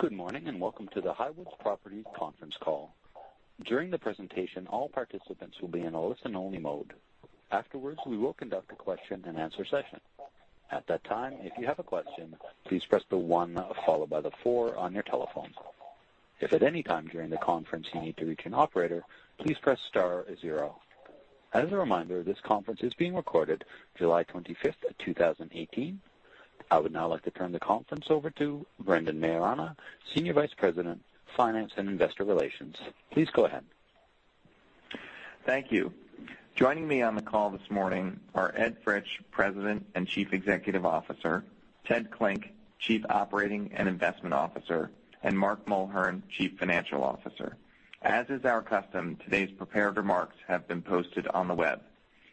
Good morning, welcome to the Highwoods Properties conference call. During the presentation, all participants will be in a listen-only mode. Afterwards, we will conduct a question and answer session. At that time, if you have a question, please press the one followed by the four on your telephone. If at any time during the conference you need to reach an operator, please press star zero. As a reminder, this conference is being recorded July 25th, 2018. I would now like to turn the conference over to Brendan Maiorana, Senior Vice President, Finance and Investor Relations. Please go ahead. Thank you. Joining me on the call this morning are Ed Fritsch, President and Chief Executive Officer, Ted Klinck, Chief Operating and Investment Officer, and Mark Mulhern, Chief Financial Officer. As is our custom, today's prepared remarks have been posted on the web.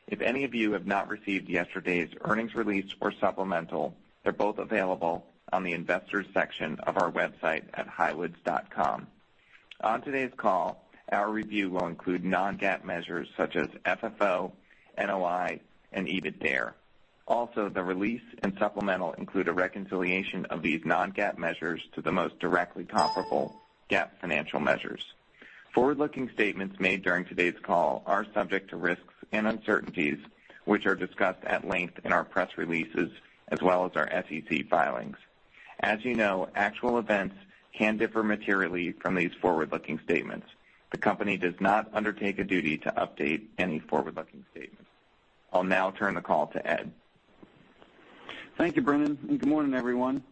If any of you have not received yesterday's earnings release or supplemental, they're both available on the investors section of our website at highwoods.com. On today's call, our review will include non-GAAP measures such as FFO, NOI, and EBITDARE. The release and supplemental include a reconciliation of these non-GAAP measures to the most directly comparable GAAP financial measures. Forward-looking statements made during today's call are subject to risks and uncertainties, which are discussed at length in our press releases, as well as our SEC filings. As you know, actual events can differ materially from these forward-looking statements. The company does not undertake a duty to update any forward-looking statements. I'll now turn the call to Ed. Thank you, Brendan, and good morning, everyone.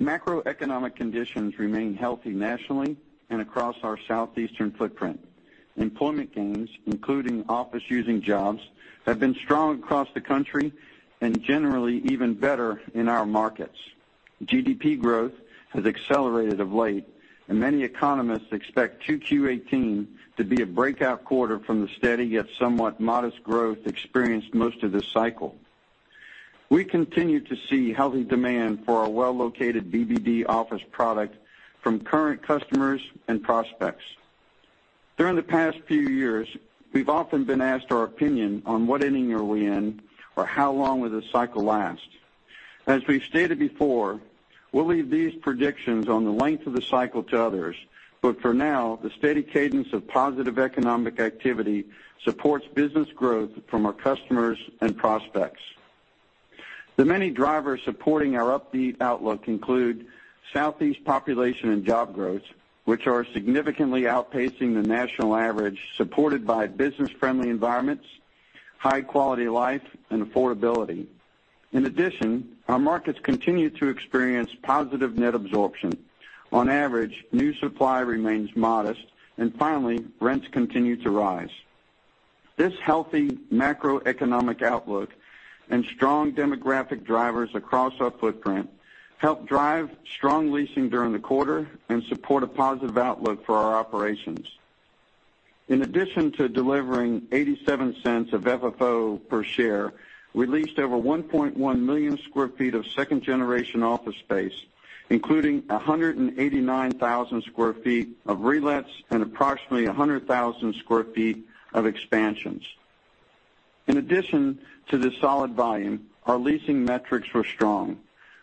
Macroeconomic conditions remain healthy nationally and across our southeastern footprint. Employment gains, including office-using jobs, have been strong across the country and generally even better in our markets. GDP growth has accelerated of late, and many economists expect 2Q18 to be a breakout quarter from the steady yet somewhat modest growth experienced most of this cycle. We continue to see healthy demand for our well-located BBD office product from current customers and prospects. During the past few years, we've often been asked our opinion on what inning are we in or how long will this cycle last. As we've stated before, we'll leave these predictions on the length of the cycle to others, but for now, the steady cadence of positive economic activity supports business growth from our customers and prospects. The many drivers supporting our upbeat outlook include Southeast population and job growth, which are significantly outpacing the national average, supported by business-friendly environments, high-quality life, and affordability. In addition, our markets continue to experience positive net absorption. On average, new supply remains modest, and finally, rents continue to rise. This healthy macroeconomic outlook and strong demographic drivers across our footprint help drive strong leasing during the quarter and support a positive outlook for our operations. In addition to delivering $0.87 of FFO per share, we leased over 1.1 million sq ft of second-generation office space, including 189,000 sq ft of relets and approximately 100,000 sq ft of expansions. In addition to the solid volume, our leasing metrics were strong.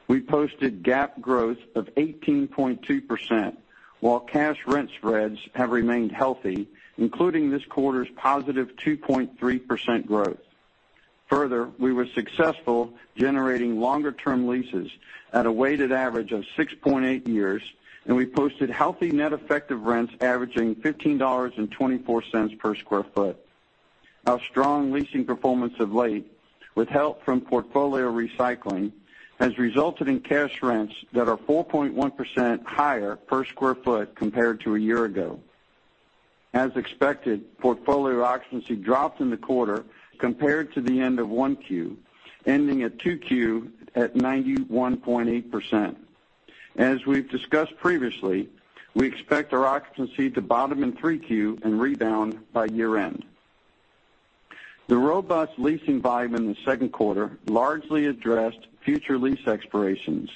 We posted GAAP growth of 18.2%, while cash rent spreads have remained healthy, including this quarter's positive 2.3% growth. We were successful generating longer-term leases at a weighted average of 6.8 years, and we posted healthy net effective rents averaging $15.24 per sq ft. Our strong leasing performance of late, with help from portfolio recycling, has resulted in cash rents that are 4.1% higher per sq ft compared to a year ago. As expected, portfolio occupancy dropped in the quarter compared to the end of 1Q, ending at 2Q at 91.8%. As we've discussed previously, we expect our occupancy to bottom in 3Q and rebound by year-end. The robust leasing volume in the second quarter largely addressed future lease expirations.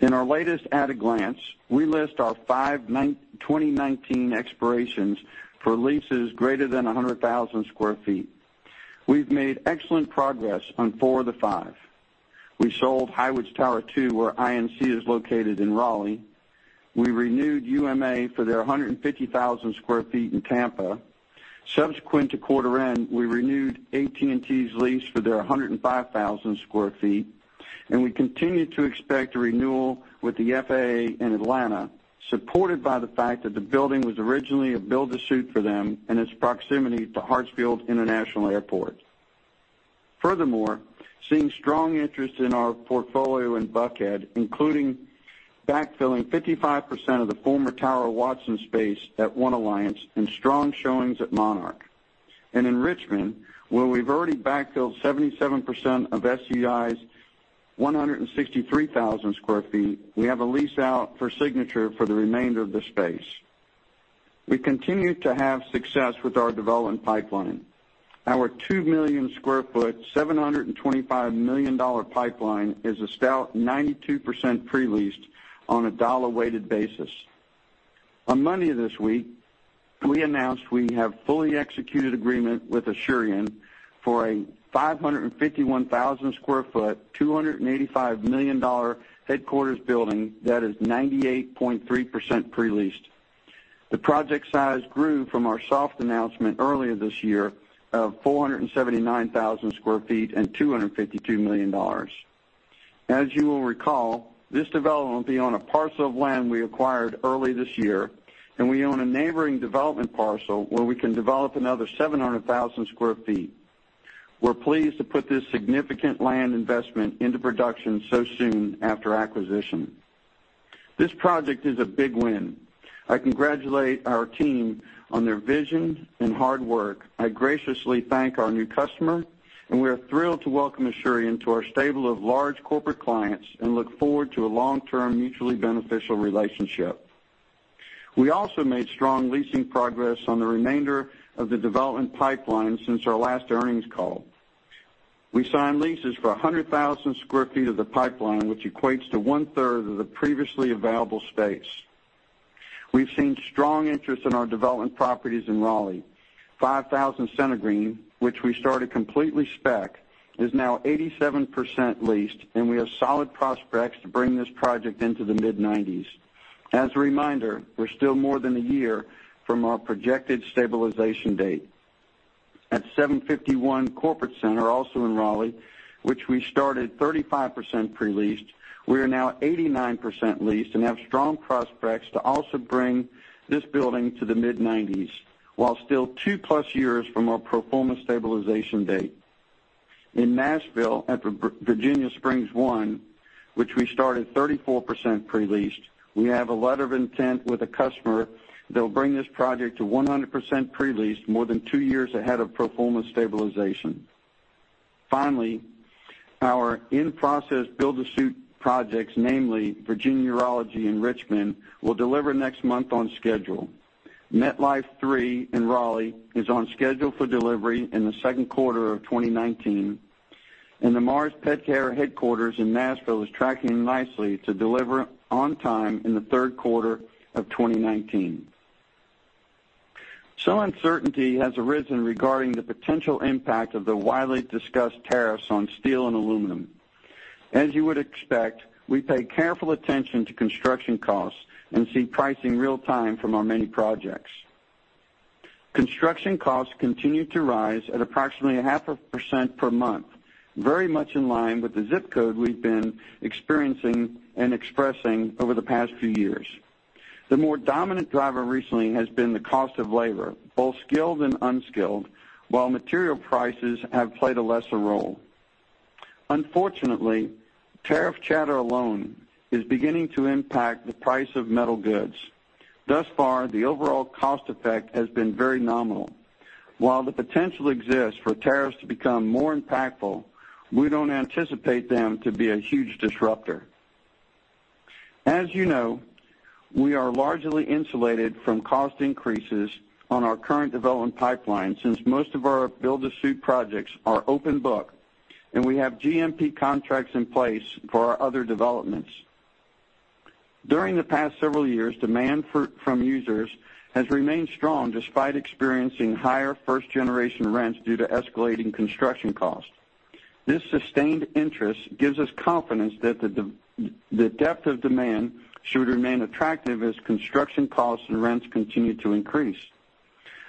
In our latest at a glance, we list our five 2019 expirations for leases greater than 100,000 sq ft. We've made excellent progress on four of the five. We sold Highwoods Tower II, where INC is located in Raleigh. We renewed UMA for their 150,000 sq ft in Tampa. Subsequent to quarter end, we renewed AT&T's lease for their 105,000 sq ft, and we continue to expect a renewal with the FAA in Atlanta, supported by the fact that the building was originally a build to suit for them and its proximity to Hartsfield International Airport. Seeing strong interest in our portfolio in Buckhead, including backfilling 55% of the former Towers Watson space at One Alliance and strong showings at Monarch. In Richmond, where we've already backfilled 77% of SEI's 163,000 sq ft, we have a lease out for signature for the remainder of the space. We continue to have success with our development pipeline. Our 2 million sq ft, $725 million pipeline is a stout 92% pre-leased on a dollar-weighted basis. On Monday this week, we announced we have fully executed agreement with Asurion for a 551,000 sq ft, $285 million headquarters building that is 98.3% pre-leased. The project size grew from our soft announcement earlier this year of 479,000 sq ft and $252 million. As you will recall, this development will be on a parcel of land we acquired early this year, and we own a neighboring development parcel where we can develop another 700,000 sq ft. We're pleased to put this significant land investment into production so soon after acquisition. This project is a big win. I congratulate our team on their vision and hard work. I graciously thank our new customer. We are thrilled to welcome Asurion to our stable of large corporate clients and look forward to a long-term, mutually beneficial relationship. We also made strong leasing progress on the remainder of the development pipeline since our last earnings call. We signed leases for 100,000 sq ft of the pipeline, which equates to one-third of the previously available space. We've seen strong interest in our development properties in Raleigh. 5000 CentreGreen, which we started completely spec, is now 87% leased, and we have solid prospects to bring this project into the mid-nineties. As a reminder, we're still more than a year from our projected stabilization date. At 751 Corporate Center, also in Raleigh, which we started 35% pre-leased, we are now 89% leased and have strong prospects to also bring this building to the mid-nineties, while still two-plus years from our pro forma stabilization date. In Nashville at Virginia Springs I, which we started 34% pre-leased, we have a letter of intent with a customer that'll bring this project to 100% pre-leased more than two years ahead of pro forma stabilization. Finally, our in-process build-to-suit projects, namely Virginia Urology in Richmond, will deliver next month on schedule. MetLife III in Raleigh is on schedule for delivery in the second quarter of 2019, and the Mars Petcare headquarters in Nashville is tracking nicely to deliver on time in the third quarter of 2019. Some uncertainty has arisen regarding the potential impact of the widely discussed tariffs on steel and aluminum. As you would expect, we pay careful attention to construction costs and see pricing real time from our many projects. Construction costs continue to rise at approximately a half a percent per month, very much in line with the zip code we've been experiencing and expressing over the past few years. The more dominant driver recently has been the cost of labor, both skilled and unskilled, while material prices have played a lesser role. Unfortunately, tariff chatter alone is beginning to impact the price of metal goods. Thus far, the overall cost effect has been very nominal. While the potential exists for tariffs to become more impactful, we don't anticipate them to be a huge disruptor. As you know, we are largely insulated from cost increases on our current development pipeline since most of our build-to-suit projects are open book, and we have GMP contracts in place for our other developments. During the past several years, demand from users has remained strong despite experiencing higher first-generation rents due to escalating construction costs. This sustained interest gives us confidence that the depth of demand should remain attractive as construction costs and rents continue to increase.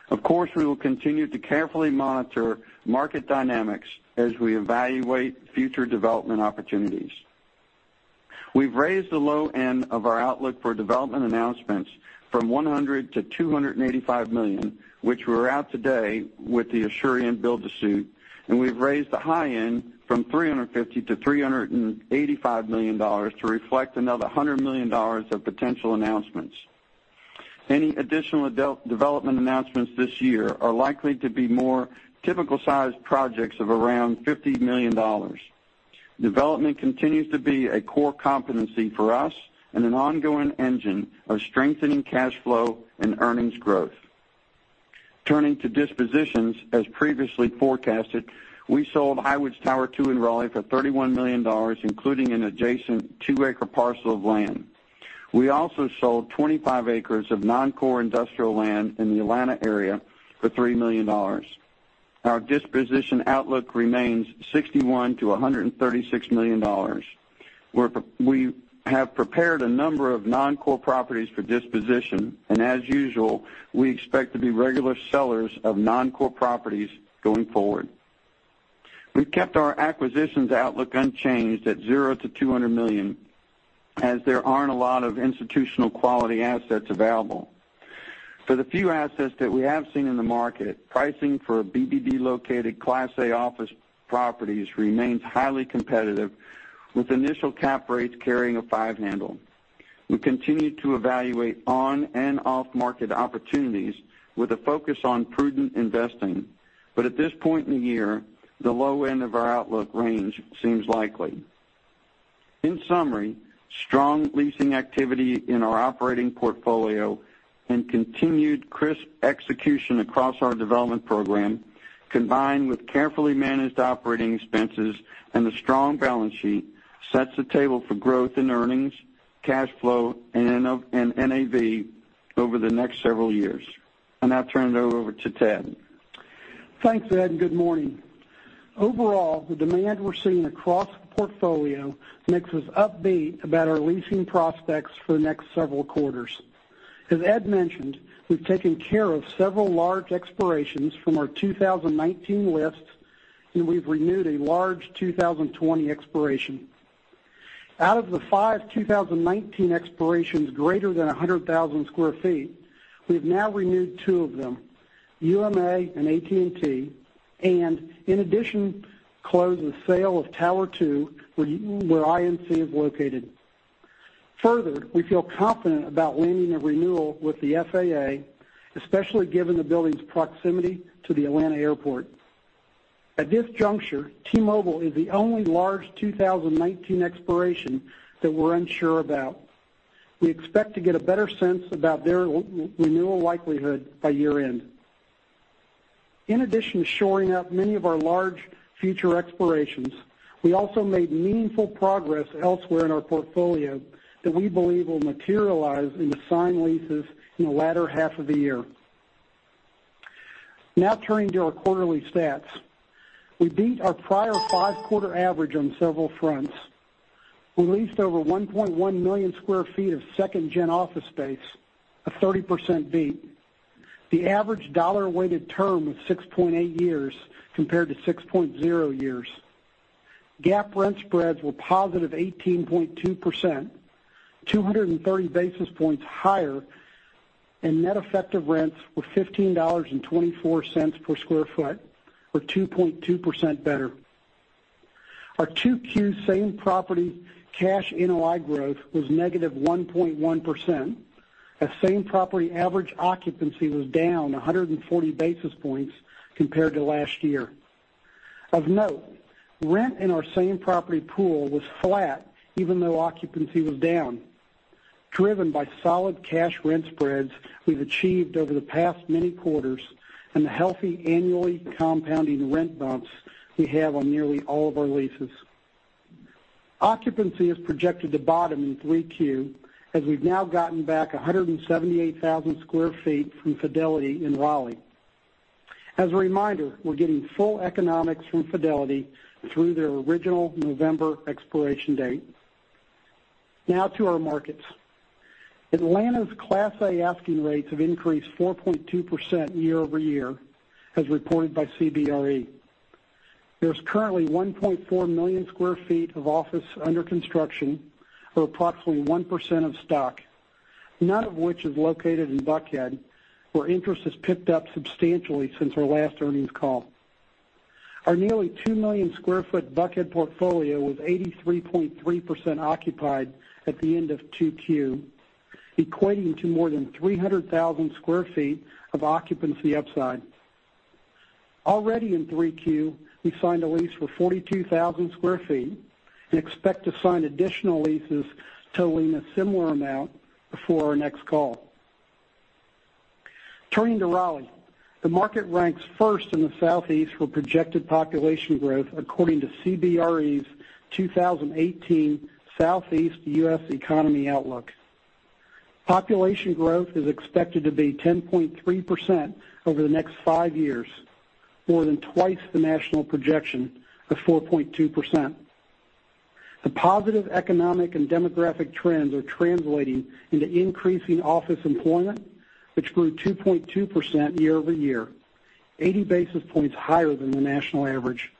Of course, we will continue to carefully monitor market dynamics as we evaluate future development opportunities. We've raised the low end of our outlook for development announcements from $100 million to $285 million, which we're at today with the Asurion build-to-suit, and we've raised the high end from $350 million to $385 million to reflect another $100 million of potential announcements. Any additional development announcements this year are likely to be more typical-sized projects of around $50 million. Development continues to be a core competency for us and an ongoing engine of strengthening cash flow and earnings growth. Turning to dispositions, as previously forecasted, we sold Highwoods Tower II in Raleigh for $31 million, including an adjacent two-acre parcel of land. We also sold 25 acres of non-core industrial land in the Atlanta area for $3 million. Our disposition outlook remains $61 million-$136 million. We have prepared a number of non-core properties for disposition, and as usual, we expect to be regular sellers of non-core properties going forward. We've kept our acquisitions outlook unchanged at $0-$200 million, as there aren't a lot of institutional-quality assets available. For the few assets that we have seen in the market, pricing for BBD-located Class A office properties remains highly competitive with initial cap rates carrying a five handle. We continue to evaluate on and off-market opportunities with a focus on prudent investing. At this point in the year, the low end of our outlook range seems likely. In summary, strong leasing activity in our operating portfolio and continued crisp execution across our development program combined with carefully managed operating expenses and a strong balance sheet sets the table for growth in earnings, cash flow, and NAV over the next several years. I'll now turn it over to Ted. Thanks, Ed, good morning. Overall, the demand we're seeing across the portfolio makes us upbeat about our leasing prospects for the next several quarters. As Ed mentioned, we've taken care of several large expirations from our 2019 list, and we've renewed a large 2020 expiration. Out of the five 2019 expirations greater than 100,000 sq ft, we've now renewed two of them, USAA and AT&T, and in addition, closed the sale of Tower Two where INC is located. Further, we feel confident about landing a renewal with the FAA, especially given the building's proximity to the Atlanta airport. At this juncture, T-Mobile is the only large 2019 expiration that we're unsure about. We expect to get a better sense about their renewal likelihood by year-end. In addition to shoring up many of our large future expirations, we also made meaningful progress elsewhere in our portfolio that we believe will materialize into signed leases in the latter half of the year. Now turning to our quarterly stats. We beat our prior five-quarter average on several fronts. We leased over 1.1 million sq ft of second-gen office space, a 30% beat. The average dollar-weighted term was 6.8 years compared to 6.0 years. GAAP rent spreads were positive 18.2%, 230 basis points higher, and net effective rents were $15.24 per sq ft or 2.2% better. Our 2Q same property cash NOI growth was -1.1%, as same property average occupancy was down 140 basis points compared to last year. Of note, rent in our same property pool was flat even though occupancy was down, driven by solid cash rent spreads we've achieved over the past many quarters and the healthy annually compounding rent bumps we have on nearly all of our leases. Occupancy is projected to bottom in 3Q, as we've now gotten back 178,000 square feet from Fidelity in Raleigh. As a reminder, we're getting full economics from Fidelity through their original November expiration date. Now to our markets. Atlanta's Class A asking rates have increased 4.2% year-over-year as reported by CBRE. There's currently 1.4 million square feet of office under construction, or approximately 1% of stock, none of which is located in Buckhead, where interest has picked up substantially since our last earnings call. Our nearly two-million-square-foot Buckhead portfolio was 83.3% occupied at the end of 2Q, equating to more than 300,000 square feet of occupancy upside. Already in 3Q, we signed a lease for 42,000 square feet and expect to sign additional leases totaling a similar amount before our next call. Turning to Raleigh. The market ranks first in the Southeast for projected population growth, according to CBRE's 2018 Southeast U.S. Economy Outlook. Population growth is expected to be 10.3% over the next five years, more than twice the national projection of 4.2%. The positive economic and demographic trends are translating into increasing office employment, which grew 2.2% year-over-year, 80 basis points higher than the national average.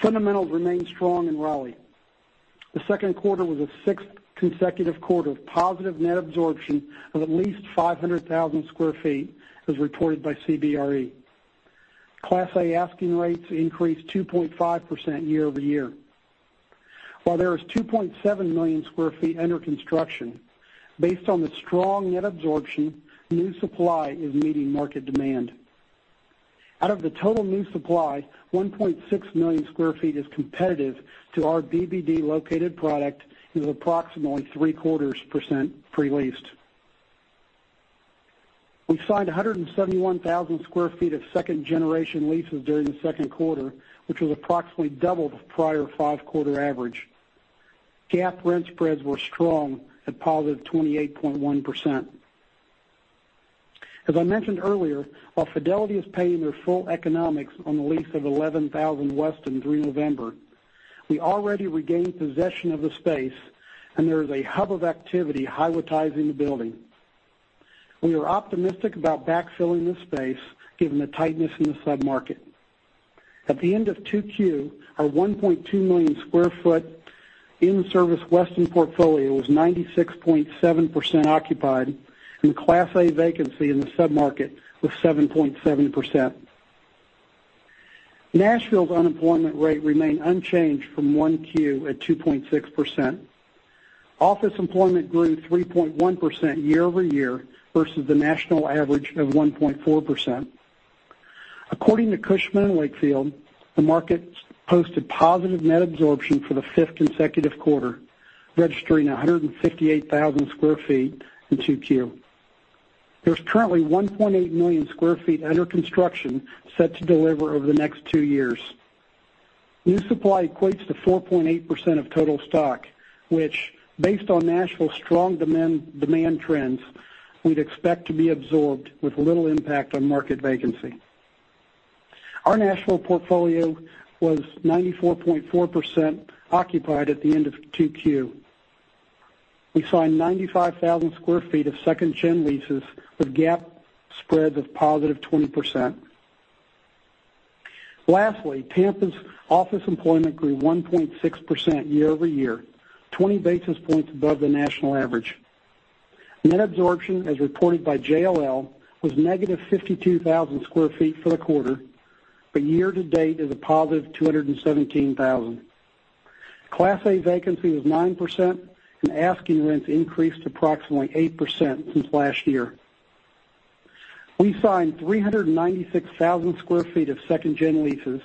Fundamentals remain strong in Raleigh. The second quarter was a sixth consecutive quarter of positive net absorption of at least 500,000 square feet, as reported by CBRE. Class A asking rates increased 2.5% year-over-year. While there is 2.7 million square feet under construction, based on the strong net absorption, new supply is meeting market demand. Out of the total new supply, 1.6 million square feet is competitive to our BBD-located product with approximately three-quarters percent pre-leased. We signed 171,000 square feet of second-generation leases during the second quarter, which was approximately double the prior five-quarter average. GAAP rent spreads were strong at positive 28.1%. As I mentioned earlier, while Fidelity is paying their full economics on the lease of 11000 Weston through November, we already regained possession of the space, and there is a hub of activity Highwoodtizing in the building. We are optimistic about backfilling this space given the tightness in the sub-market. At the end of 2Q, our 1.2 million square foot in-service Weston portfolio was 96.7% occupied, and Class A vacancy in the sub-market was 7.7%. Nashville's unemployment rate remained unchanged from 1Q at 2.6%. Office employment grew 3.1% year-over-year versus the national average of 1.4%. According to Cushman & Wakefield, the market posted positive net absorption for the fifth consecutive quarter. Registering 158,000 square feet in Q2. There's currently 1.8 million square feet under construction set to deliver over the next two years. New supply equates to 4.8% of total stock, which, based on Nashville's strong demand trends, we'd expect to be absorbed with little impact on market vacancy. Our Nashville portfolio was 94.4% occupied at the end of Q2. We signed 95,000 square feet of second-gen leases with GAAP spreads of +20%. Lastly, Tampa's office employment grew 1.6% year-over-year, 20 basis points above the national average. Net absorption, as reported by JLL, was -52,000 sq ft for the quarter, year-to-date is a +217,000. Class A vacancy was 9%, asking rents increased approximately 8% since last year. We signed 396,000 sq ft of second-gen leases,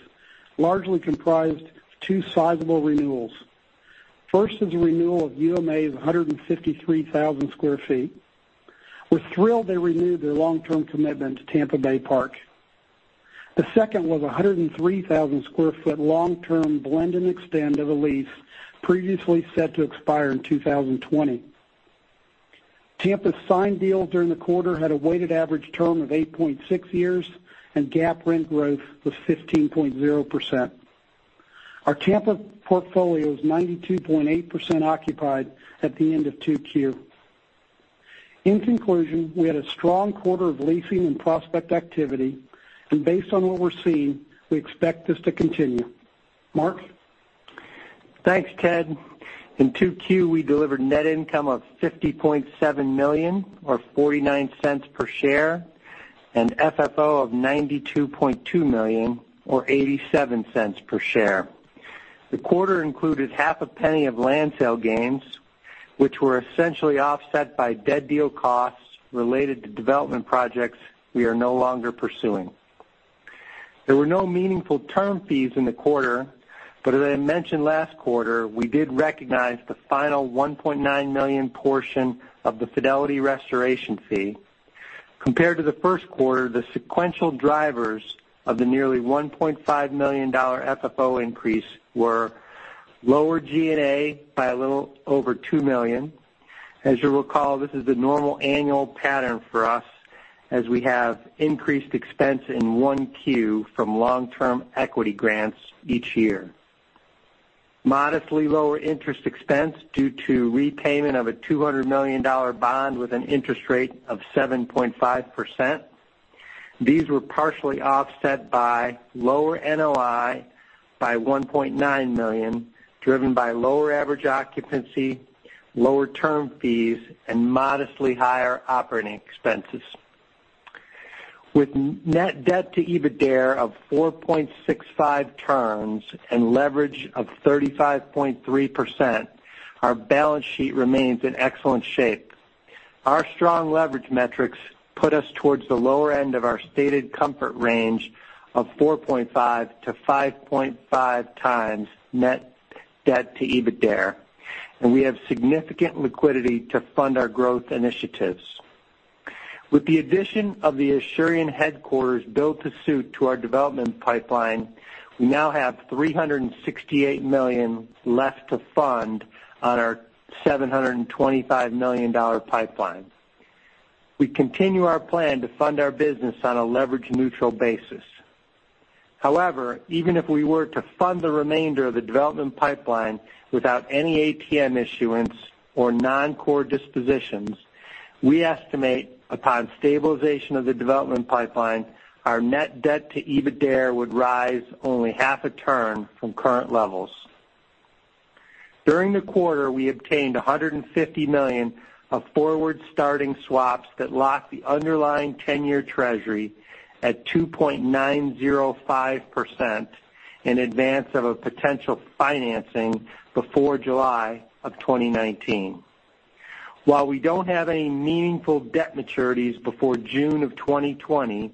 largely comprised of two sizable renewals. First is a renewal of UMA's 153,000 sq ft. We are thrilled they renewed their long-term commitment to Tampa Bay Park. The second was 103,000 sq ft long-term blend and extend of a lease previously set to expire in 2020. Tampa's signed deals during the quarter had a weighted average term of 8.6 years, GAAP rent growth was 15.0%. Our Tampa portfolio was 92.8% occupied at the end of Q2. In conclusion, we had a strong quarter of leasing and prospect activity, based on what we are seeing, we expect this to continue. Mark? Thanks, Ted. In Q2, we delivered net income of $50.7 million, or $0.49 per share, FFO of $92.2 million, or $0.87 per share. The quarter included $0.005 of land sale gains, which were essentially offset by dead deal costs related to development projects we are no longer pursuing. There were no meaningful term fees in the quarter, as I mentioned last quarter, we did recognize the final $1.9 million portion of the Fidelity restoration fee. Compared to the first quarter, the sequential drivers of the nearly $1.5 million FFO increase were lower G&A by a little over $2 million. As you will recall, this is the normal annual pattern for us as we have increased expense in 1Q from long-term equity grants each year. Modestly lower interest expense due to repayment of a $200 million bond with an interest rate of 7.5%. These were partially offset by lower NOI by $1.9 million, driven by lower average occupancy, lower term fees, and modestly higher operating expenses. With net debt to EBITDARE of 4.65 turns and leverage of 35.3%, our balance sheet remains in excellent shape. Our strong leverage metrics put us towards the lower end of our stated comfort range of 4.5x-5.5x net debt to EBITDARE, we have significant liquidity to fund our growth initiatives. With the addition of the Asurion headquarters built to suit to our development pipeline, we now have $368 million left to fund on our $725 million pipeline. We continue our plan to fund our business on a leverage-neutral basis. However, even if we were to fund the remainder of the development pipeline without any ATM issuance or non-core dispositions, we estimate, upon stabilization of the development pipeline, our net debt to EBITDARE would rise only half a turn from current levels. During the quarter, we obtained $150 million of forward-starting swaps that locked the underlying 10-year treasury at 2.905% in advance of a potential financing before July of 2019. While we do not have any meaningful debt maturities before June of 2020,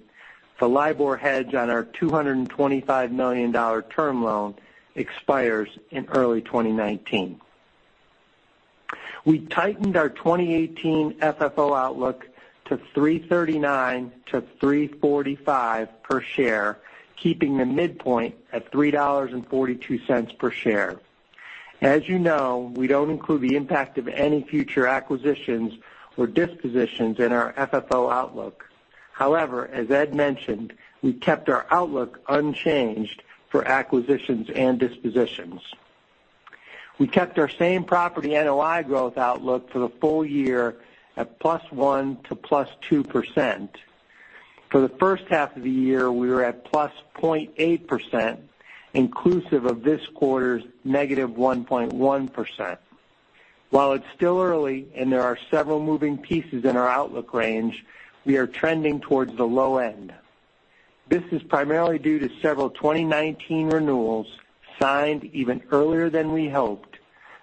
the LIBOR hedge on our $225 million term loan expires in early 2019. We tightened our 2018 FFO outlook to $3.39-$3.45 per share, keeping the midpoint at $3.42 per share. As you know, we do not include the impact of any future acquisitions or dispositions in our FFO outlook. However, as Ed mentioned, we kept our outlook unchanged for acquisitions and dispositions. We kept our same property NOI growth outlook for the full year at +1%-+2%. For the first half of the year, we were at +0.8%, inclusive of this quarter's -1.1%. While it's still early and there are several moving pieces in our outlook range, we are trending towards the low end. This is primarily due to several 2019 renewals signed even earlier than we hoped,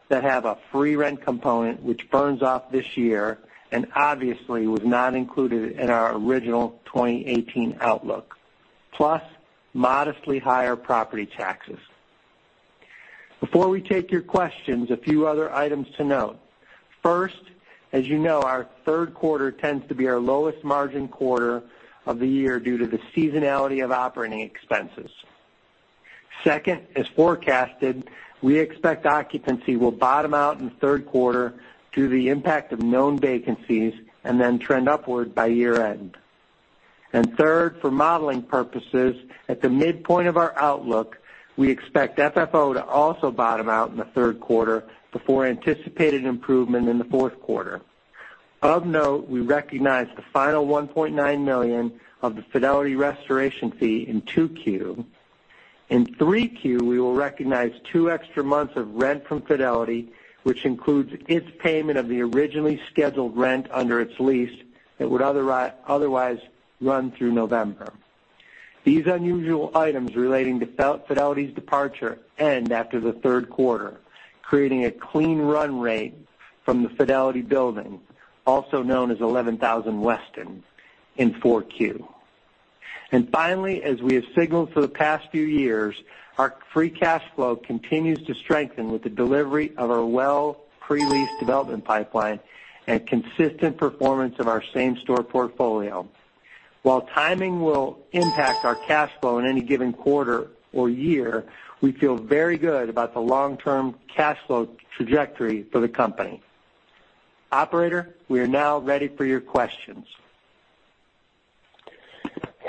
that have a free rent component which burns off this year and obviously was not included in our original 2018 outlook. Modestly higher property taxes. Before we take your questions, a few other items to note. First, as you know, our third quarter tends to be our lowest margin quarter of the year due to the seasonality of operating expenses. Second, as forecasted, we expect occupancy will bottom out in the third quarter due to the impact of known vacancies and then trend upward by year-end. Third, for modeling purposes, at the midpoint of our outlook, we expect FFO to also bottom out in the third quarter before anticipated improvement in the fourth quarter. Of note, we recognized the final $1.9 million of the Fidelity restoration fee in 2Q. In 3Q, we will recognize two extra months of rent from Fidelity, which includes its payment of the originally scheduled rent under its lease that would otherwise run through November. These unusual items relating to Fidelity's departure end after the third quarter, creating a clean run rate from the Fidelity building, also known as 11000 Weston, in 4Q. Finally, as we have signaled for the past few years, our free cash flow continues to strengthen with the delivery of our well pre-lease development pipeline and consistent performance of our same store portfolio. While timing will impact our cash flow in any given quarter or year, we feel very good about the long-term cash flow trajectory for the company. Operator, we are now ready for your questions.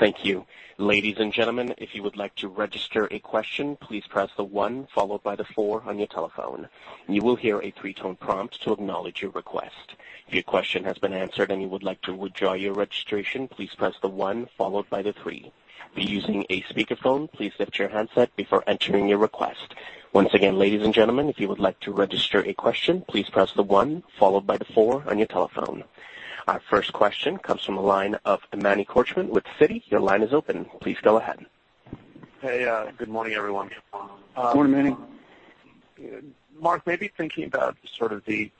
Thank you. Ladies and gentlemen, if you would like to register a question, please press the one followed by the four on your telephone. You will hear a three-tone prompt to acknowledge your request. If your question has been answered and you would like to withdraw your registration, please press the one followed by the three. If you're using a speakerphone, please lift your handset before entering your request. Once again, ladies and gentlemen, if you would like to register a question, please press the one followed by the four on your telephone. Our first question comes from the line of Manny Korchman with Citi. Your line is open. Please go ahead. Hey, good morning, everyone. Good morning. Mark, maybe thinking about sort of the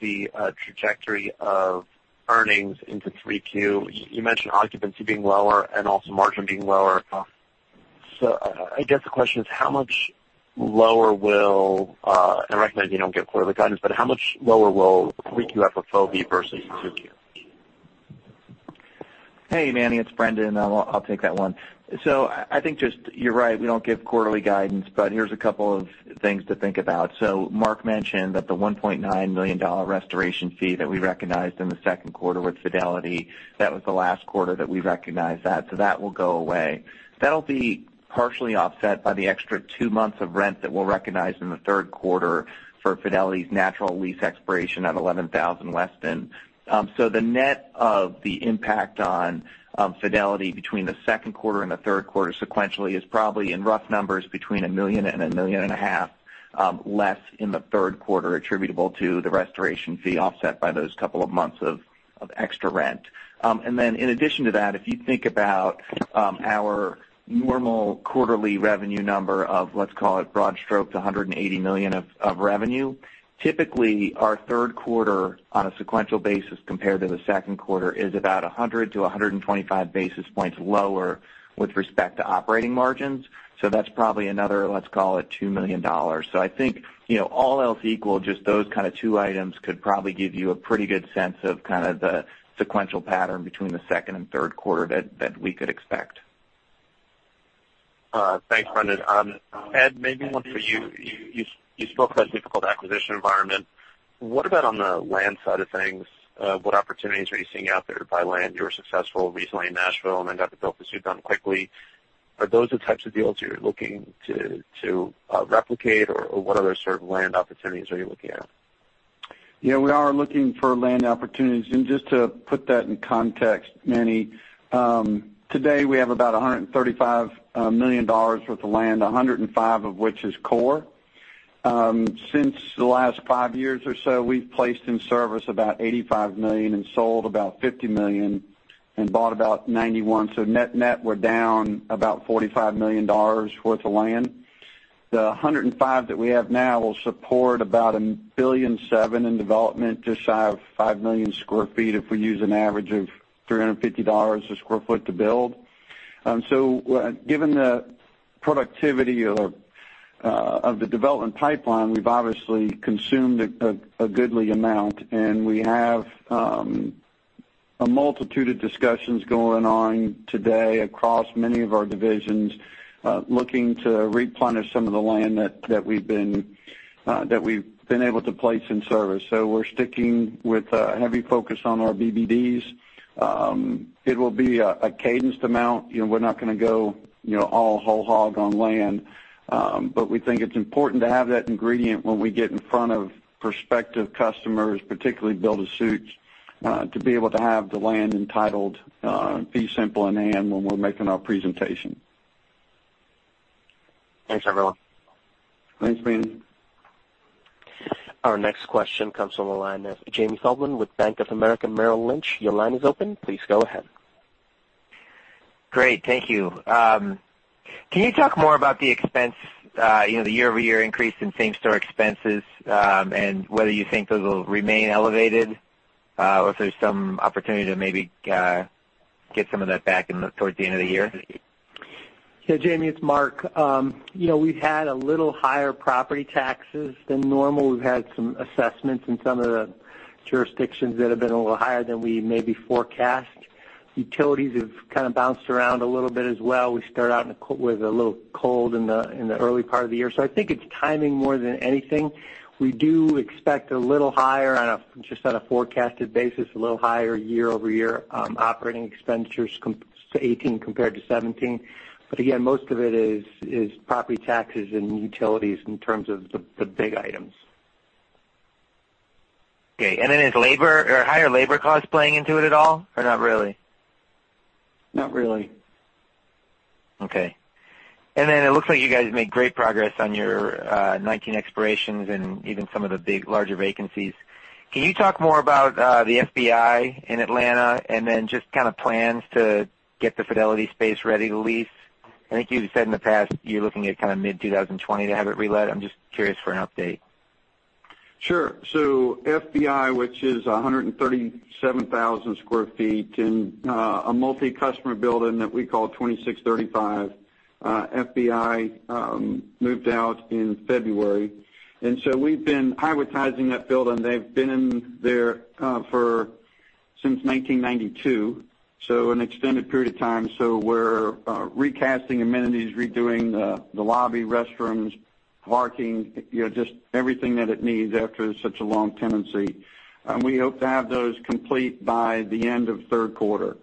trajectory of earnings into 3Q, you mentioned occupancy being lower and also margin being lower. I guess the question is, I recommend you don't give quarterly guidance, but how much lower will 3Q FFO be versus 2Q? Hey, Manny, it's Brendan. I'll take that one. I think just you're right, we don't give quarterly guidance, but here's a couple of things to think about. Mark mentioned that the $1.9 million restoration fee that we recognized in the second quarter with Fidelity, that was the last quarter that we recognized that will go away. That'll be partially offset by the extra two months of rent that we'll recognize in the third quarter for Fidelity's natural lease expiration at 11000 Weston. The net of the impact on Fidelity between the second quarter and the third quarter sequentially is probably in rough numbers between $1 million and a million and a half, less in the third quarter attributable to the restoration fee offset by those couple of months of extra rent. In addition to that, if you think about our normal quarterly revenue number of let's call it broad stroke to $180 million of revenue. Typically, our third quarter on a sequential basis compared to the second quarter is about 100 to 125 basis points lower with respect to operating margins. That's probably another, let's call it $2 million. I think all else equal, just those kind of two items could probably give you a pretty good sense of kind of the sequential pattern between the second and third quarter that we could expect. Thanks, Brendan. Ed, maybe one for you. You spoke about difficult acquisition environment. What about on the land side of things? What opportunities are you seeing out there to buy land? You were successful recently in Nashville and then got the build-to-suit done quickly. Are those the types of deals you're looking to replicate, or what other sort of land opportunities are you looking at? We are looking for land opportunities. Just to put that in context, Manny, today we have about $135 million worth of land, $105 million of which is core. Since the last 5 years or so, we've placed in service about $85 million and sold about $50 million and bought about $91 million. Net-net, we're down about $45 million worth of land. The $105 million that we have now will support about $1.7 billion in development, just shy of 5 million square feet if we use an average of $350 a square foot to build. Given the productivity of the development pipeline, we've obviously consumed a goodly amount, and we have a multitude of discussions going on today across many of our divisions, looking to replenish some of the land that we've been able to place in service. We're sticking with a heavy focus on our BBDs. It will be a cadenced amount. We're not going to go all whole hog on land. We think it's important to have that ingredient when we get in front of prospective customers, particularly build-to-suits, to be able to have the land entitled fee simple and when we're making our presentation. Thanks, everyone. Thanks, Manny. Our next question comes from the line of Jamie Feldman with Bank of America Merrill Lynch. Your line is open. Please go ahead. Great. Thank you. Can you talk more about the expense, the year-over-year increase in same-store expenses, and whether you think those will remain elevated? If there's some opportunity to maybe get some of that back in towards the end of the year. Jamie, it's Mark. We've had a little higher property taxes than normal. We've had some assessments in some of the jurisdictions that have been a little higher than we maybe forecast. Utilities have kind of bounced around a little bit as well. We started out with a little cold in the early part of the year. I think it's timing more than anything. We do expect a little higher, just on a forecasted basis, a little higher year-over-year operating expenditures to 2018 compared to 2017. Again, most of it is property taxes and utilities in terms of the big items. Okay. Is higher labor costs playing into it at all or not really? Not really. Okay. It looks like you guys made great progress on your 2019 expirations and even some of the big larger vacancies. Can you talk more about the FBI in Atlanta and then just kind of plans to get the Fidelity space ready to lease? I think you said in the past you're looking at kind of mid-2020 to have it relet. I'm just curious for an update. Sure. FBI, which is 137,000 sq ft in a multi-customer building that we call 2635, FBI moved out in February, we've been Highwoodtizing that building. They've been in there since 1992, so an extended period of time. We're recasting amenities, redoing the lobby, restrooms, parking, just everything that it needs after such a long tenancy. We hope to have those complete by the end of third quarter.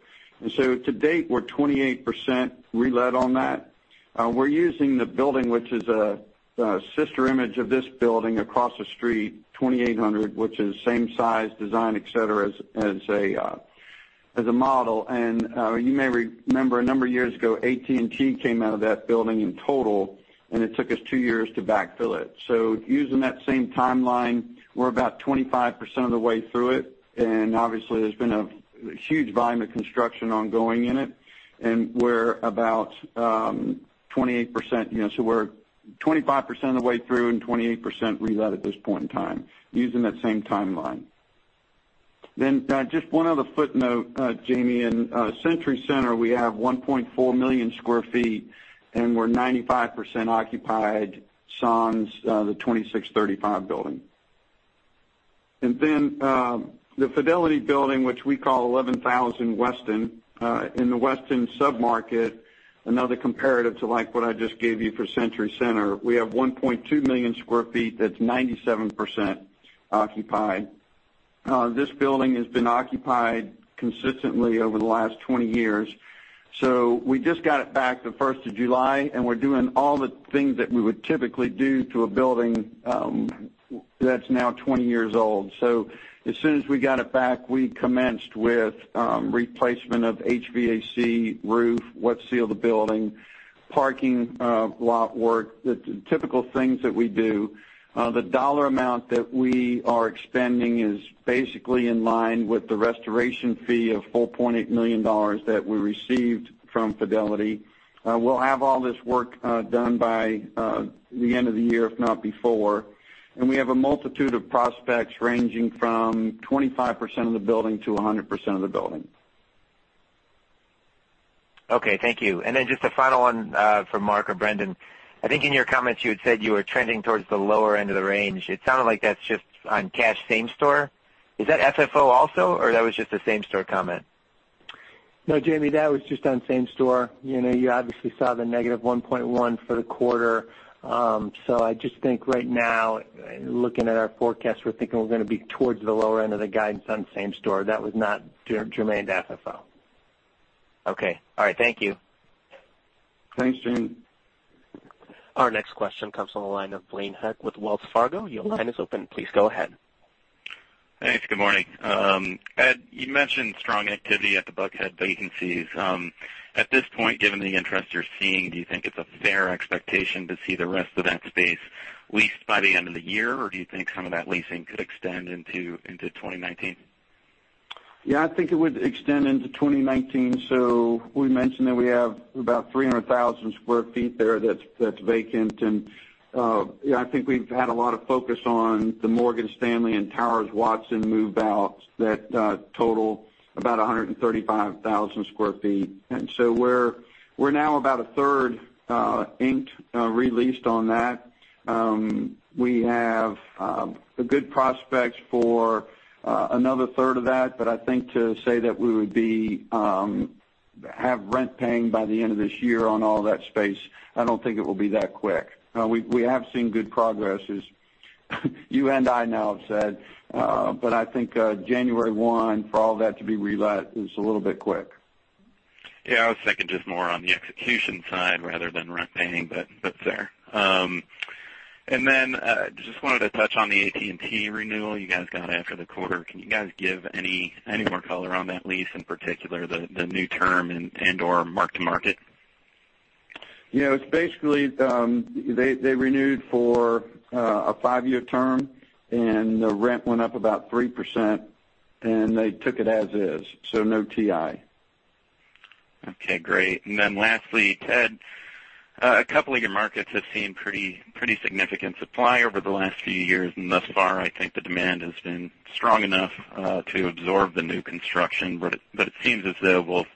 To date, we're 28% relet on that. We're using the building, which is a sister image of this building across the street, 2800, which is same size, design, et cetera, as a model. You may remember a number of years ago, AT&T came out of that building in total, and it took us 2 years to backfill it. Using that same timeline, we're about 25% of the way through it, and obviously there's been a huge volume of construction ongoing in it, and we're about 28%. We're 25% of the way through and 28% relet at this point in time, using that same timeline. Just one other footnote, Jamie. In Century Center, we have 1.4 million sq ft, and we're 95% occupied, sans the 2635 building. The Fidelity building, which we call 11000 Weston, in the Weston sub-market, another comparative to what I just gave you for Century Center. We have 1.2 million sq ft that's 97% occupied. This building has been occupied consistently over the last 20 years. We just got it back the 1st of July, and we're doing all the things that we would typically do to a building that's now 20 years old. As soon as we got it back, we commenced with replacement of HVAC, roof, wet seal of the building, parking lot work, the typical things that we do. The dollar amount that we are expending is basically in line with the restoration fee of $4.8 million that we received from Fidelity. We'll have all this work done by the end of the year, if not before. We have a multitude of prospects ranging from 25% of the building to 100% of the building. Okay, thank you. Just a final one for Mark or Brendan. I think in your comments you had said you were trending towards the lower end of the range. It sounded like that's just on cash same store. Is that FFO also, or that was just a same store comment? No, Jamie, that was just on same store. You obviously saw the negative 1.1 for the quarter. I just think right now, looking at our forecast, we're thinking we're going to be towards the lower end of the guidance on same store. That was not germane to FFO. Okay. All right, thank you. Thanks, Jamie. Our next question comes from the line of Blaine Heck with Wells Fargo. Your line is open, please go ahead. Thanks. Good morning. Ed, you mentioned strong activity at the Buckhead vacancies. At this point, given the interest you're seeing, do you think it's a fair expectation to see the rest of that space leased by the end of the year, or do you think some of that leasing could extend into 2019? Yeah, I think it would extend into 2019. We mentioned that we have about 300,000 square feet there that's vacant. Yeah, I think we've had a lot of focus on the Morgan Stanley and Towers Watson move out that total about 135,000 square feet. We're now about a third inked re-leased on that. We have a good prospect for another third of that. I think to say that we would have rent paying by the end of this year on all that space, I don't think it will be that quick. We have seen good progresses you and I now have said. I think January 1 for all that to be relet is a little bit quick. Yeah, I was thinking just more on the execution side rather than rent paying. Fair. Just wanted to touch on the AT&T renewal you guys got after the quarter. Can you guys give any more color on that lease, in particular the new term and/or mark to market? Yeah, it's basically, they renewed for a five-year term. The rent went up about 3%. They took it as is, no TI. Okay, great. Lastly, Ted, a couple of your markets have seen pretty significant supply over the last few years, and thus far, I think the demand has been strong enough to absorb the new construction. It seems as though both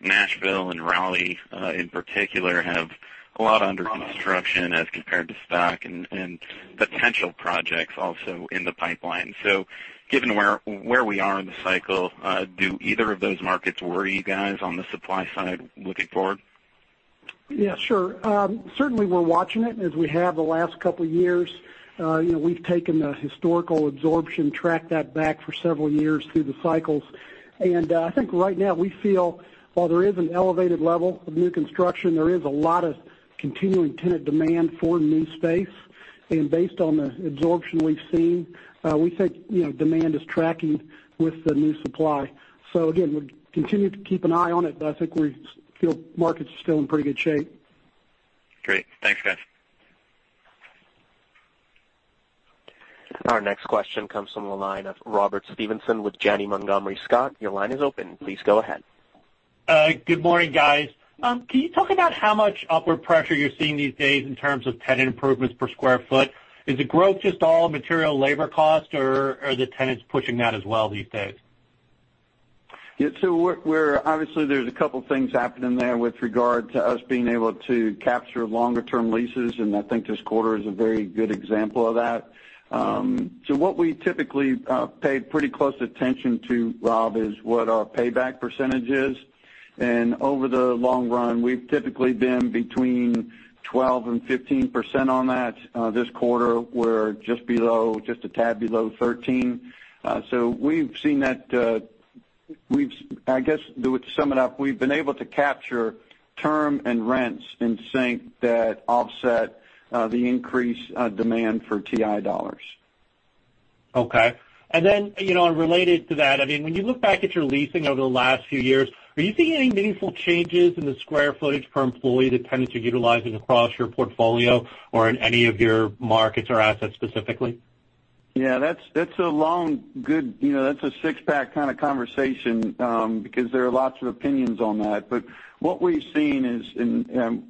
Nashville and Raleigh in particular, have a lot under construction as compared to stock, and potential projects also in the pipeline. Given where we are in the cycle, do either of those markets worry you guys on the supply side looking forward? Yeah, sure. Certainly, we're watching it, as we have the last couple of years. We've taken the historical absorption, tracked that back for several years through the cycles. I think right now we feel while there is an elevated level of new construction, there is a lot of continuing tenant demand for new space. Based on the absorption we've seen, we think demand is tracking with the new supply. Again, we continue to keep an eye on it, but I think we feel markets are still in pretty good shape. Great. Thanks, guys. Our next question comes from the line of Robert Stevenson with Janney Montgomery Scott. Your line is open. Please go ahead. Good morning, guys. Can you talk about how much upward pressure you're seeing these days in terms of tenant improvements per square foot? Is the growth just all material labor cost, or are the tenants pushing that as well these days? Yeah. Obviously, there's a couple things happening there with regard to us being able to capture longer-term leases, and I think this quarter is a very good example of that. What we typically pay pretty close attention to, Rob, is what our payback percentage is. Over the long run, we've typically been between 12% and 15% on that. This quarter, we're just a tad below 13. I guess to sum it up, we've been able to capture term and rents in sync that offset the increased demand for TI dollars. Okay. Related to that, when you look back at your leasing over the last few years, are you seeing any meaningful changes in the square footage per employee that tenants are utilizing across your portfolio or in any of your markets or assets specifically? Yeah. That's a six-pack kind of conversation, because there are lots of opinions on that. What we've seen is, and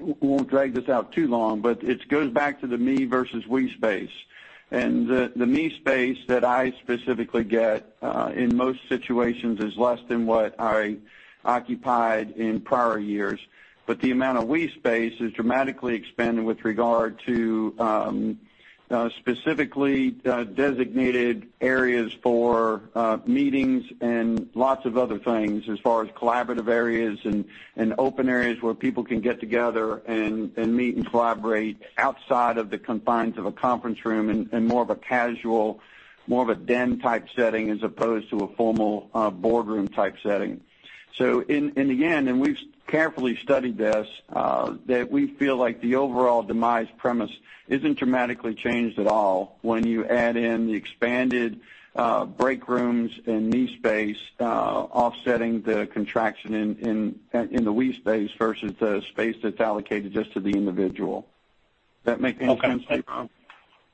we won't drag this out too long, but it goes back to the me versus we space. The me space that I specifically get, in most situations, is less than what I occupied in prior years. The amount of we space has dramatically expanded with regard to, specifically designated areas for meetings and lots of other things as far as collaborative areas and open areas where people can get together and meet and collaborate outside of the confines of a conference room, in more of a casual, more of a den-type setting, as opposed to a formal boardroom-type setting. In the end, and we've carefully studied this, that we feel like the overall demised premise isn't dramatically changed at all when you add in the expanded break rooms and me space offsetting the contraction in the we space versus the space that's allocated just to the individual. That make any sense, Rob?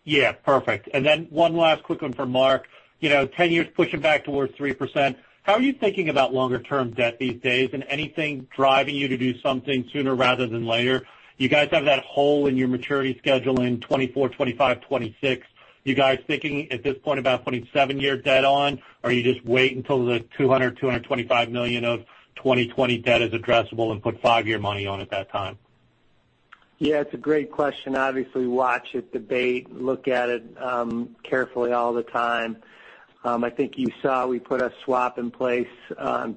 Yeah. Perfect. One last quick one for Mark. 10 years pushing back towards 3%. How are you thinking about longer-term debt these days, and anything driving you to do something sooner rather than later? You guys have that hole in your maturity schedule in 2024, 2025, 2026. You guys thinking at this point about putting seven-year debt on, or you just wait until the $200 million, $225 million of 2020 debt is addressable and put five-year money on at that time? Yeah, it's a great question. Obviously, we watch it, debate, look at it carefully all the time. I think you saw we put a swap in place,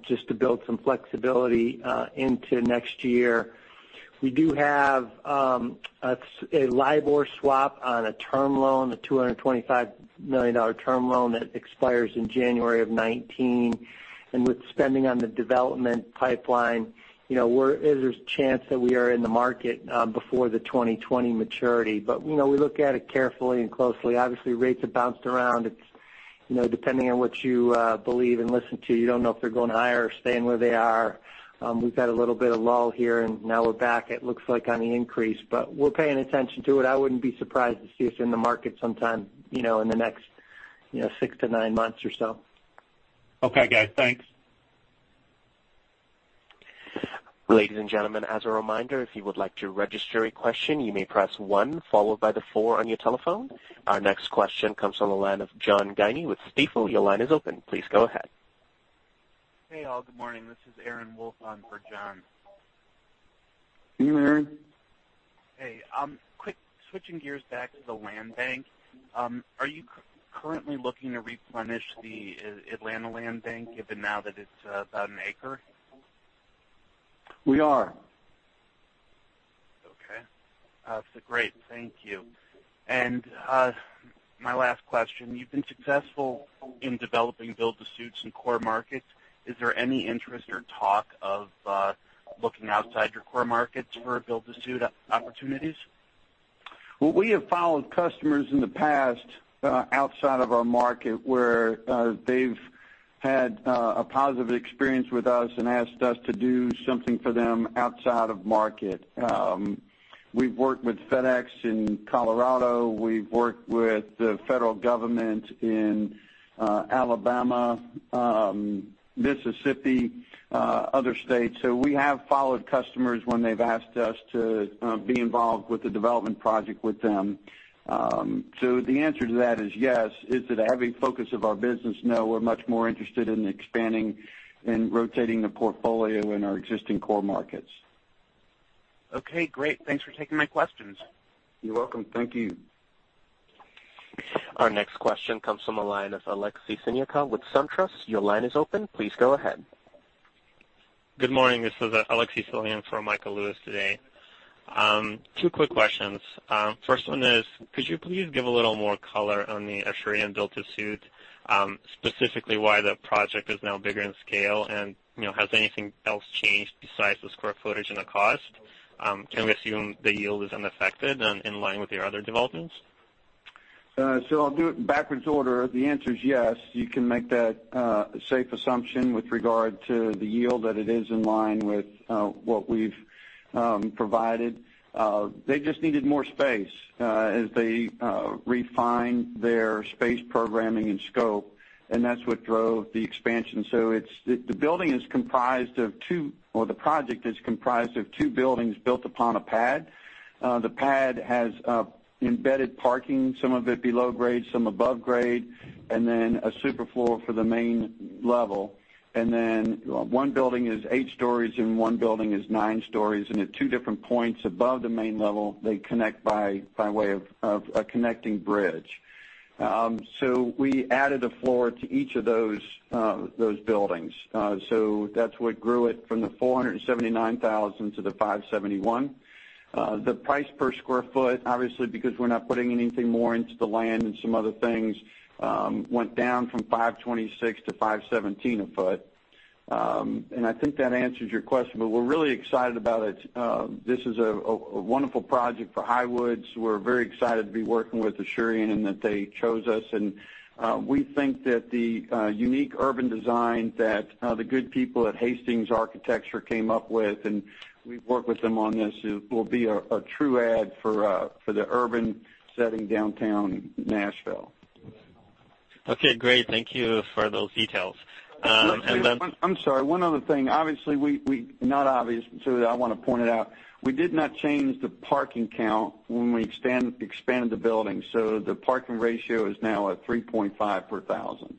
just to build some flexibility into next year. We do have a LIBOR swap on a term loan, the $225 million term loan that expires in January of 2019, and with spending on the development pipeline, there's a chance that we are in the market before the 2020 maturity. We look at it carefully and closely. Obviously, rates have bounced around. Depending on what you believe and listen to, you don't know if they're going higher or staying where they are. We've had a little bit of lull here, and now we're back, it looks like, on the increase, but we're paying attention to it. I wouldn't be surprised to see us in the market sometime in the next six to nine months or so. Okay, guys. Thanks. Ladies and gentlemen, as a reminder, if you would like to register a question, you may press one followed by the four on your telephone. Our next question comes from the line of John Guinee with Stifel. Your line is open. Please go ahead. Hey, all. Good morning. This is Aaron Wolf on for John. Hey, Aaron. Hey. Quick switching gears back to the land bank. Are you currently looking to replenish the Atlanta land bank, given now that it's about an acre? We are. Okay. Great. Thank you. My last question, you've been successful in developing build-to-suits in core markets. Is there any interest or talk of looking outside your core markets for build-to-suit opportunities? Well, we have followed customers in the past, outside of our market, where they've had a positive experience with us and asked us to do something for them outside of market. We've worked with FedEx in Colorado. We've worked with the federal government in Alabama, Mississippi, other states. We have followed customers when they've asked us to be involved with the development project with them. The answer to that is yes. Is it a heavy focus of our business? No, we're much more interested in expanding and rotating the portfolio in our existing core markets. Okay, great. Thanks for taking my questions. You're welcome. Thank you. Our next question comes from the line of Alexei Senyuka with SunTrust. Your line is open. Please go ahead. Good morning. This is Alexei Senyuka for Michael Lewis today. Two quick questions. First one is, could you please give a little more color on the Asurion build-to-suit, specifically why the project is now bigger in scale and has anything else changed besides the square footage and the cost? Can we assume the yield is unaffected and in line with your other developments? I'll do it in backwards order. The answer is yes, you can make that safe assumption with regard to the yield, that it is in line with what we've provided. They just needed more space as they refined their space programming and scope, that's what drove the expansion. The project is comprised of two buildings built upon a pad. The pad has embedded parking, some of it below grade, some above grade, and then a super floor for the main level. One building is eight stories and one building is nine stories, and at two different points above the main level, they connect by way of a connecting bridge. We added a floor to each of those buildings. That's what grew it from the 479,000 to the 571. The price per square foot, obviously because we're not putting anything more into the land and some other things, went down from 526 to 517 a foot. I think that answers your question, but we're really excited about it. This is a wonderful project for Highwoods. We're very excited to be working with Asurion and that they chose us. We think that the unique urban design that the good people at HASTINGS Architecture came up with, and we've worked with them on this, will be a true add for the urban setting downtown Nashville. Okay, great. Thank you for those details. I'm sorry, one other thing. Obviously, not obvious, I want to point it out. We did not change the parking count when we expanded the building, the parking ratio is now at 3.5 per thousand.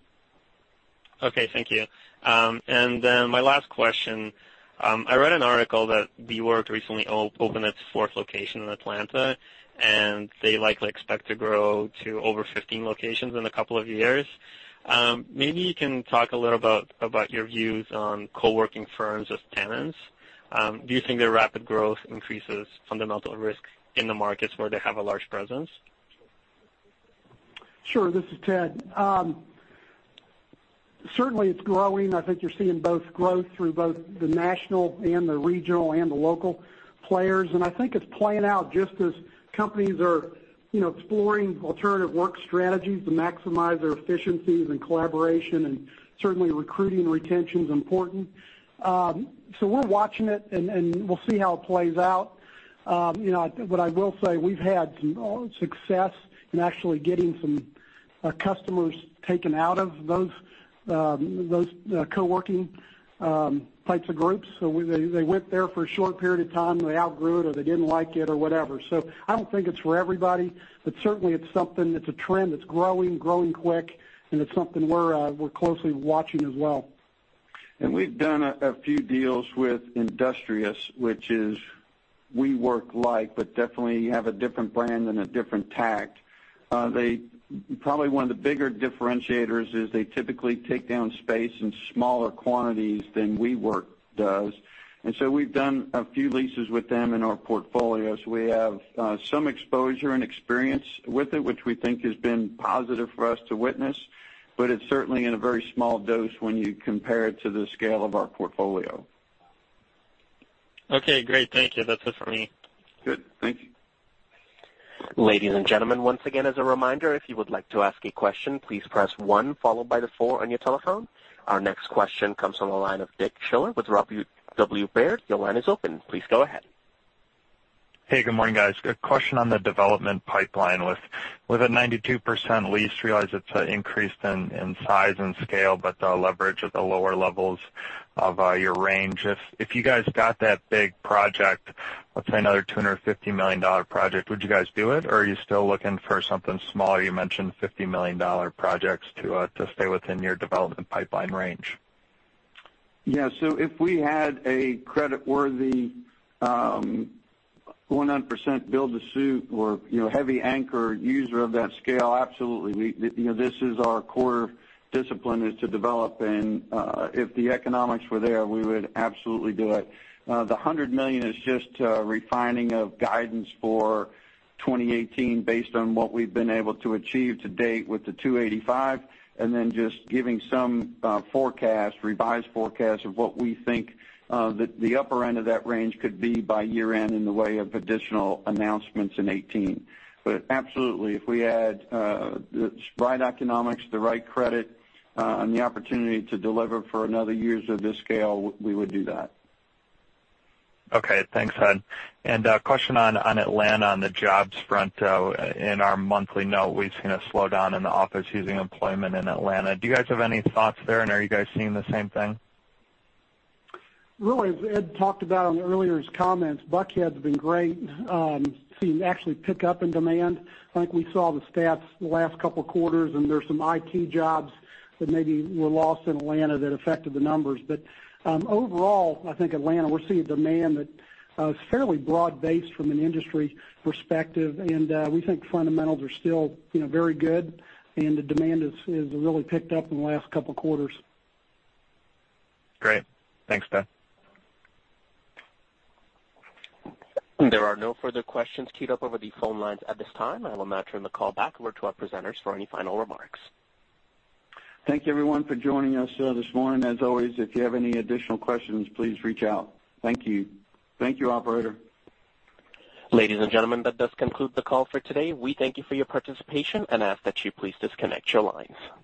Okay, thank you. My last question. I read an article that WeWork recently opened its fourth location in Atlanta, and they likely expect to grow to over 15 locations in a couple of years. Maybe you can talk a little about your views on co-working firms as tenants. Do you think their rapid growth increases fundamental risk in the markets where they have a large presence? Sure. This is Ted. Certainly, it's growing. I think you're seeing both growth through both the national and the regional and the local players, I think it's playing out just as companies are exploring alternative work strategies to maximize their efficiencies and collaboration. Certainly recruiting retention's important. We're watching it, and we'll see how it plays out. What I will say, we've had some success in actually getting some customers taken out of those co-working types of groups. They went there for a short period of time, they outgrew it, or they didn't like it, or whatever. I don't think it's for everybody, but certainly it's something that's a trend that's growing quick, it's something we're closely watching as well. We've done a few deals with Industrious, which is WeWork-like, but definitely have a different brand and a different tact. Probably one of the bigger differentiators is they typically take down space in smaller quantities than WeWork does, so we've done a few leases with them in our portfolio. We have some exposure and experience with it, which we think has been positive for us to witness, but it's certainly in a very small dose when you compare it to the scale of our portfolio. Okay, great. Thank you. That's it for me. Good. Thank you. Ladies and gentlemen, once again, as a reminder, if you would like to ask a question, please press 1 followed by the 4 on your telephone. Our next question comes from the line of Dave Rodgers with Robert W. Baird. Your line is open. Please go ahead. Hey, good morning, guys. A question on the development pipeline. With a 92% lease, realize it's increased in size and scale, the leverage at the lower levels of your range. If you guys got that big project, let's say another $250 million project, would you guys do it? Are you still looking for something smaller? You mentioned $50 million projects to stay within your development pipeline range. Yeah. If we had a creditworthy, 100% build-to-suit or heavy anchor user of that scale, absolutely. This is our core discipline, is to develop, if the economics were there, we would absolutely do it. The $100 million is just a refining of guidance for 2018 based on what we've been able to achieve to date with the $285, then just giving some revised forecast of what we think the upper end of that range could be by year-end in the way of additional announcements in 2018. Absolutely, if we had the right economics, the right credit, and the opportunity to deliver for another years of this scale, we would do that. Okay, thanks, Ed. A question on Atlanta on the jobs front. In our monthly note, we've seen a slowdown in office using employment in Atlanta. Do you guys have any thoughts there, and are you guys seeing the same thing? Really, as Ed talked about on earlier his comments, Buckhead's been great. We're seeing actually pick up in demand. I think we saw the stats the last couple of quarters, and there's some IT jobs that maybe were lost in Atlanta that affected the numbers. Overall, I think Atlanta, we're seeing demand that is fairly broad-based from an industry perspective, and we think fundamentals are still very good, and the demand has really picked up in the last couple of quarters. Great. Thanks, Ted. There are no further questions queued up over the phone lines at this time. I will now turn the call back over to our presenters for any final remarks. Thank you everyone for joining us this morning. As always, if you have any additional questions, please reach out. Thank you. Thank you, operator. Ladies and gentlemen, that does conclude the call for today. We thank you for your participation and ask that you please disconnect your lines.